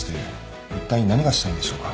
いったい何がしたいんでしょうか？